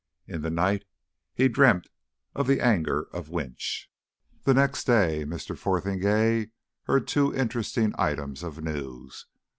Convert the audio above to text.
In the night he dreamt of the anger of Winch. The next day Mr. Fotheringay heard two interesting items of news.